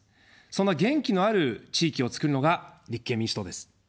そんな元気のある地域を作るのが立憲民主党です。